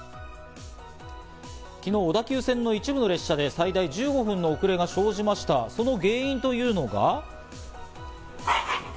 昨日、小田急線の一部の列車で最大１５分の遅れが生じました、その原因というのが。